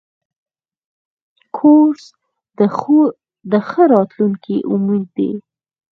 کورس د ښه راتلونکي امید دی.